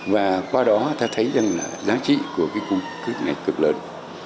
và qua đó ta thấy rằng là giá trị của cái khu cướp này cực lớn